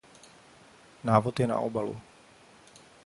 Návod je na obalu.